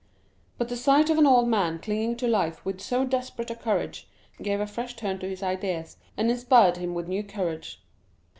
But the sight of an old man clinging to life with so desperate a courage, gave a fresh turn to his ideas, and inspired him with new courage.